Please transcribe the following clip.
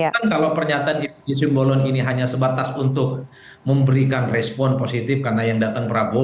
kan kalau pernyataan fd simbolon ini hanya sebatas untuk memberikan respon positif karena yang datang prabowo